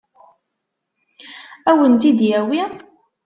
Ad wen-tt-id-yawi?